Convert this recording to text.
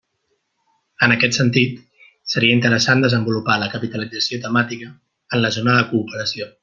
En aquest sentit, seria interessant desenvolupar la capitalització temàtica en la zona de cooperació.